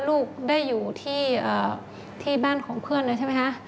ลูกได้อยู่ที่บ้านของเพื่อนเลยใช่ไหมคะ